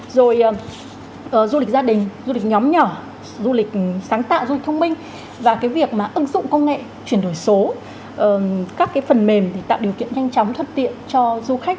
rồi du lịch gia đình du lịch nhóm nhỏ du lịch sáng tạo du lịch thông minh và cái việc mà ứng dụng công nghệ chuyển đổi số các cái phần mềm để tạo điều kiện nhanh chóng thuận tiện cho du khách